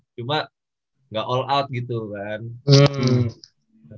cuma nggak all out gitu kan